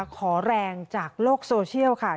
ขอแรงจากโลกโซเชียลค่ะ